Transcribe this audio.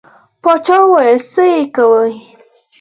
باچا ویل څه یې کوې.